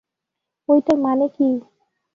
ঐটার মানে কি?